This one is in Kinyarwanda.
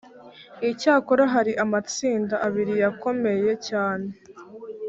icyakora hari amatsinda abiri yakomeye cyane